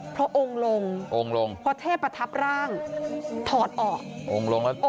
เพราะองค์ลงองค์ลงพอเทพประทับร่างถอดออกองค์ลงแล้ว